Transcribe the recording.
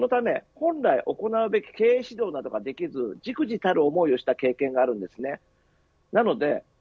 そのため、本来行うべき経営指導などができず忸怩たる思いをした思いがあります。